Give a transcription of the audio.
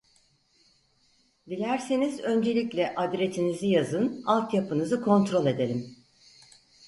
Dilerseniz öncelikle adresinizi yazın altyapınızı kontrol edelim